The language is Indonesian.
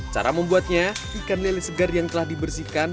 cara membuatnya ikan lele segar yang telah dibersihkan